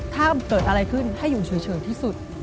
ถ้าเกิดอะไรขึ้นให้อยู่เฉยที่สุด